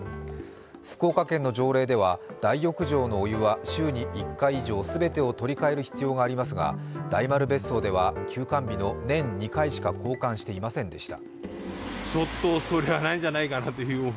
福岡県の条例では大浴場のお湯は週に１回以上、全てを取り替える必要がありますが、大丸別荘では、休館日の年２回しか交換していませんでした。